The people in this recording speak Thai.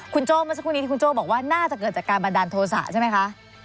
คุณโจ้เมื่อสักครู่นี้ที่คุณโจ้บอกว่าน่าจะเกิดจากการบันดาลโทษะใช่ไหมคะ